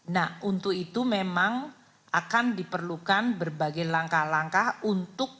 nah untuk itu memang akan diperlukan berbagai langkah langkah untuk